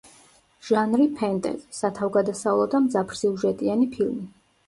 ჟანრი ფენტეზი, სათავგადასავლო და მძაფრ-სიუჟეტიანი ფილმი.